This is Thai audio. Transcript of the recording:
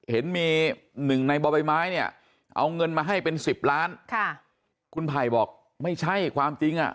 เห็นมีหนึ่งในบ่อใบไม้เนี่ยเอาเงินมาให้เป็นสิบล้านค่ะคุณไผ่บอกไม่ใช่ความจริงอ่ะ